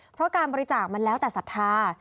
เพราะการบริจาคมันแล้วแต่ศรัทธา